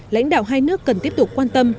lãnh đạo hai nước cần tiếp tục quan tâm